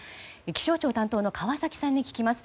気象庁担当の川崎さんに聞きます。